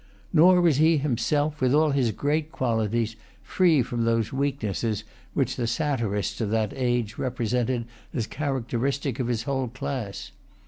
Nor was he himself, with all his great qualities, free from those weaknesses which the satirists of that age represented as characteristic of his whole class.